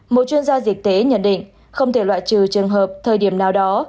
một chuyên gia dịch tễ nhận định không thể loại trừ trường hợp thời điểm nào đó